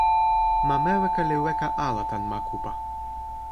ma Mewika li weka ala tan ma Kupa.